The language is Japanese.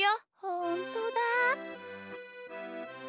ほんとだ！